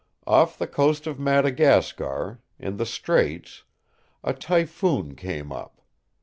Off the coast of Madagascar, in the Straits, a typhoon came up.